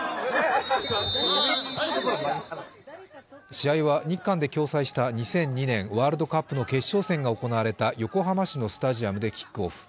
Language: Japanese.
試合は日韓で共催した２００２年ワールドカップの決勝戦が行われた横浜市のスタジアムでキックオフ。